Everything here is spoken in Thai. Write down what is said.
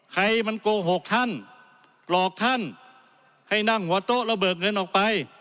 ใครมันโกหกท่านหลอกท่านให้นั่งหัวโต๊ะแล้วเบิกเงินออกไป